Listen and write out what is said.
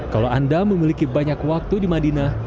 kalau anda memiliki banyak waktu di madinah